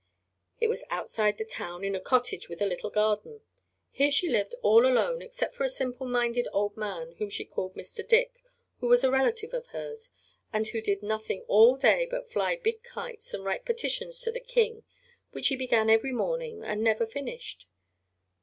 It was outside the town, in a cottage with a little garden. Here she lived all alone, except for a simple minded old man, whom she called Mr. Dick, who was a relative of hers, and who did nothing all day but fly big kites and write petitions to the king, which he began every morning and never finished.